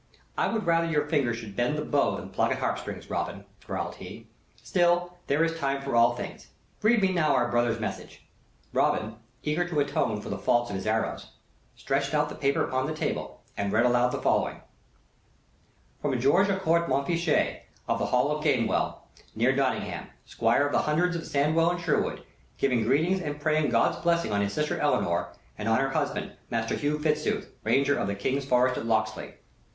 "I would rather your fingers should bend the bow than pluck at harp strings, Robin," growled he. "Still, there is time for all things. Read me now our brother's message." Robin, eager to atone for the faults of his arrows, stretched out the paper upon the table, and read aloud the following: "From George à Court Montfichet, of the Hall at Gamewell, near Nottingham, Squire of the Hundreds of Sandwell and Sherwood, giving greetings and praying God's blessing on his sister Eleanor and on her husband, Master Hugh Fitzooth, Ranger of the King's Forest at Locksley.